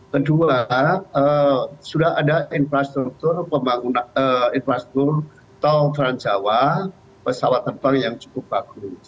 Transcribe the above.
kedua sudah ada infrastruktur tol terang jawa pesawat terbang yang cukup bagus